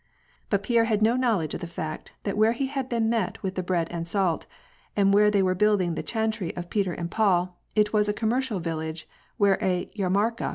But Pierre had no knowledge of the fact that where he had been met with the bread and salt, and where they were building the chantry of Peter and Paul, it was a commercial village where a varmarka.